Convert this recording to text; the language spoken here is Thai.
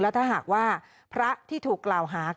ถ้าหากว่าพระที่ถูกกล่าวหา